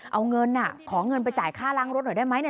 เอาเงินขอเงินไปจ่ายค่าล้างรถหน่อยได้ไหมเนี่ย